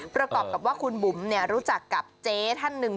ประกอบกับว่าคุณบุ๋มรู้จักกับเจ๊ท่านหนึ่ง